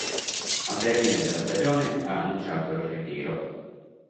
Al termine della stagione ha annunciato il ritiro.